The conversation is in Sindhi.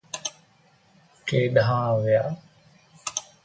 ڪيڏانهن ويا؟